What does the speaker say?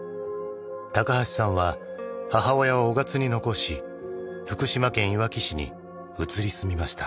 高橋さんは母親を雄勝に残し福島県いわき市に移り住みました。